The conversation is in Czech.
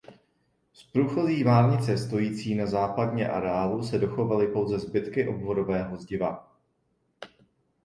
Z průchozí márnice stojící na západně areálu se dochovaly pouze zbytky obvodového zdiva.